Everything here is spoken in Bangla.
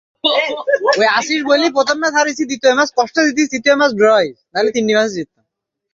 কিছু না বলে, ভালোবাসায় ভালোবাসা।